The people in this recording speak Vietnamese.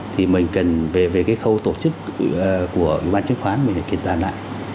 thì mình cần về cái khâu tổ chức của ủy ban chứng khoán mình phải kiểm tra lại